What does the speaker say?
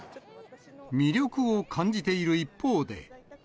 魅力を感じている一方で。